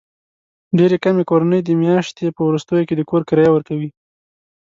ډېرې کمې کورنۍ د میاشتې په وروستیو کې د کور کرایه ورکوي.